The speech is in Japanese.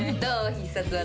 必殺技。